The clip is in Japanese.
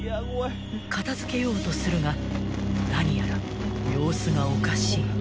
［片付けようとするが何やら様子がおかしい］